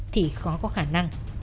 thì khó có khả năng